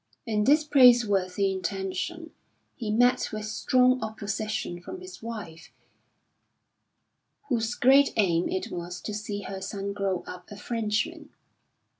In this praiseworthy intention he met with strong opposition from his wife whose great aim it was to see her son grow up a Frenchman.